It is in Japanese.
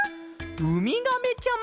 ウミガメちゃま！